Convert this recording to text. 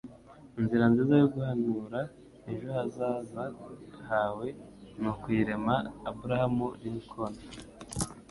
Inzira nziza yo guhanura ejo hazaza hawe ni ukuyirema.” - Abraham Lincoln